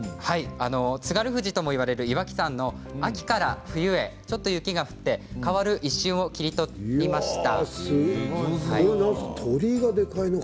津軽富士とも言われる岩木山の秋から冬へ雪が降って変わる一瞬を切り取りました。